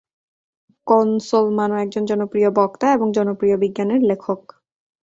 কনসোলমানো একজন জনপ্রিয় বক্তা এবং জনপ্রিয় বিজ্ঞানের লেখক।